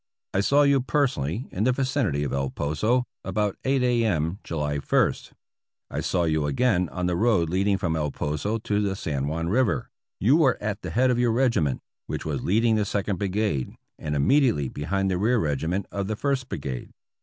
I saw you personally in the vicinity of El Poso, about 8 a.m., July 312 APPENDIX F I St. I saw you again on the road leading from El Poso to the San Juan River ; you were at the head of your regiment, which was leading the Second Brigade, and immediately behind the rear regiment of the First Brigade.